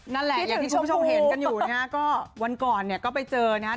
อย่างที่คุณผู้ชมเห็นกันอยู่นะฮะก็วันก่อนเนี่ยก็ไปเจอนะฮะ